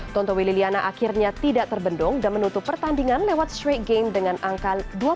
tontowi liliana akhirnya tidak terbendung dan menutup pertandingan lewat straight game dengan angka dua puluh satu